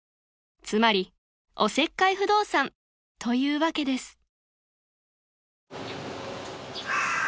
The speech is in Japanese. ［つまりおせっかい不動産というわけです］